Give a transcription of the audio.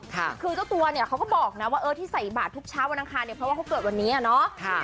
คือเจ้าตัวเนี่ยเขาก็บอกนะว่าเออที่ใส่บาททุกเช้าวันอังคารเนี่ยเพราะว่าเขาเกิดวันนี้อ่ะเนาะ